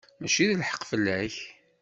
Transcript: Mačči d lḥeqq fell-ak.